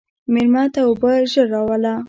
مېلمه ته اوبه ژر راوله.